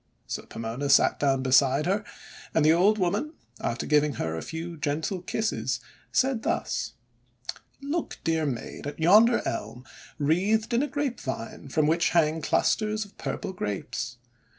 So Pomona sat down beside her, and the old woman, after giving her a few gentle kisses, said thus :— ;<Look, dear Maid, at yonder Elm wreathed in a grapevine from which hang clusters of purple Grapes.